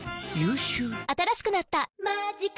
新しくなった「マジカ」